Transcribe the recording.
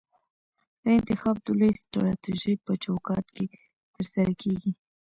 دا انتخاب د لویې سټراټیژۍ په چوکاټ کې ترسره کیږي.